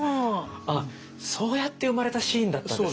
あっそうやって生まれたシーンだったんですね。